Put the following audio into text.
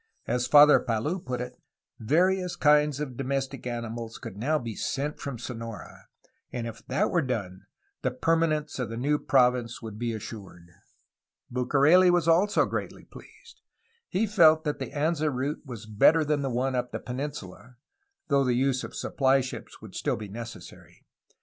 As Father Palou put it, various kinds of domestic animals could now be sent from Sonora, and if that were done the permanence of the new province would be assured. Bucareli also was greatly pleased. He felt that the Anza route was better than the one up the peninsula, though the use of supply ships would still be necessary.